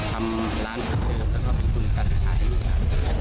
ทำร้านทั้งหมดและทำทุกขุมการศึกษาให้ลูก